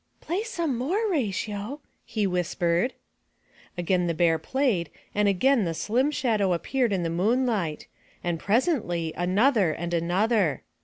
"Play some more, Ratio,'' he whispered. Again the Bear played and again the slim shadow appeared in the moonlight and presently another and another.